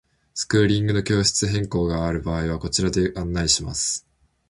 スクーリングの教室変更がある場合はこちらでご案内します。